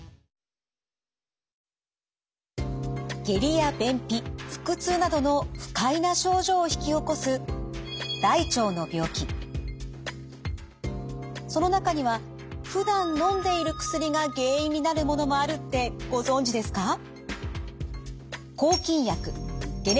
下痢や便秘腹痛などの不快な症状を引き起こすその中にはふだんのんでいる薬が原因になるものもあるってご存じですか？